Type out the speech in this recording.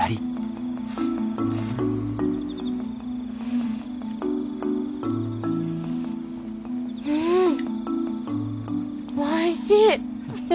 んおいしい！